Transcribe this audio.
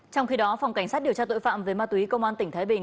trong khi đó phòng cảnh sát điều tra tội phạm về ma túy công an tỉnh thái bình